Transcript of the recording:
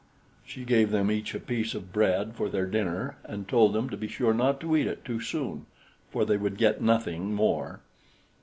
She gave them each a piece of bread for their dinner, and told them to be sure not to eat it too soon, for they would get nothing more.